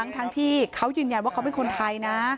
ทั้งที่เขายืนยันว่าเขาเป็นคนไทยนะ